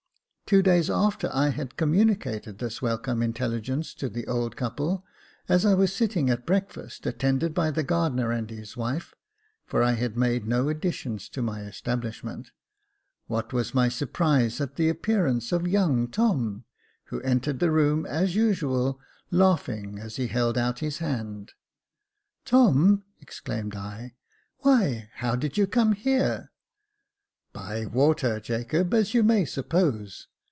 Two days after I had communicated this welcome intel ligence to the old couple, as I was sitting at breakfast, attended by the gardener and his wife (for I had made no addition to my establishment), what was my surprise at the appearance of young Tom, who entered the room as usual, laughing as he held out his hand. " Tom !" exclaimed I, " why, how did you come here ?"" By water, Jacob, as you may suppose."